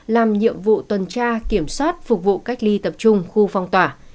làm nhiệm vụ tuần tra kiểm soát phục vụ cách ly tập trung khu phong tỏa